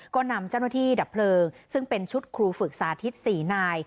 ก็นำเจ้าหน้าที่ดับเพลิงซึ่งเป็นชุดครูฝึกสาธิต๔นาย